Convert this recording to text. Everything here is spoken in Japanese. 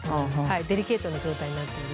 デリケートな状態になっている。